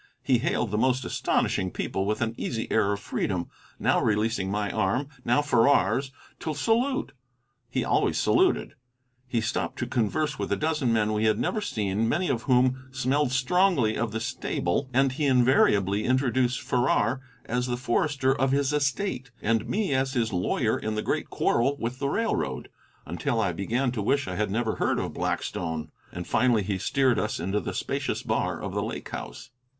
He hailed the most astonishing people with an easy air of freedom, now releasing my arm, now Farrar's, to salute. He always saluted. He stopped to converse with a dozen men we had never seen, many of whom smelled strongly of the stable, and he invariably introduced Farrar as the forester of his estate, and me as his lawyer in the great quarrel with the railroad, until I began to wish I had never heard of Blackstone. And finally he steered us into the spacious bar of the Lake House.